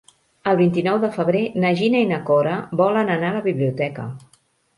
El vint-i-nou de febrer na Gina i na Cora volen anar a la biblioteca.